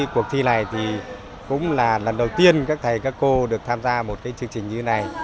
cuộc thi này thì cũng là lần đầu tiên các thầy các cô được tham gia một chương trình như thế này